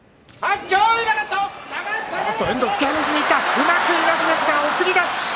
うまくいなしました送り出し。